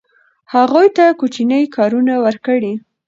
هغوی ته کوچني کارونه ورکړئ.